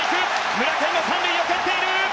村上も３塁を蹴っている！